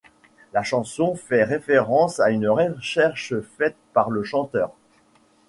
La chanson fait référence à une recherche faite par le chanteur.